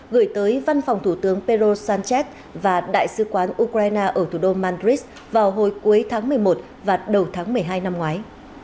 gửi tới văn phòng thủ tướng pedro sánchez và đại sứ quán ukraine ở thủ đô madrid vào hồi cuối tháng một mươi một và đầu tháng một mươi hai năm ngoái